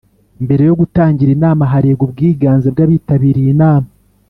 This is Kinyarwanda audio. mbere yogutagira inama harebwa ubwiganze bw’ abitabiriye inama